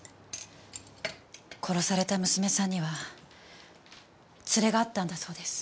殺された娘さんには連れがあったんだそうです。